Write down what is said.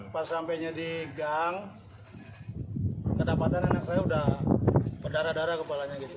pas sampainya di gang kedapatan anak saya udah berdarah darah kepalanya gitu